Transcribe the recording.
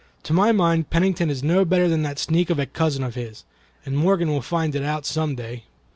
To my mind, Pennington is no better than that sneak of a cousin of his, and Morgan will find it out some day."